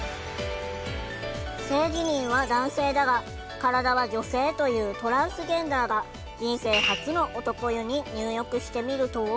性自認は男性だが体は女性というトランスジェンダーが人生初の男湯に入浴してみると。